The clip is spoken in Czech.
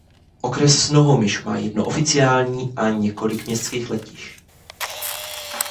Okres Snohomish má jedno oficiální a několik městských letišť.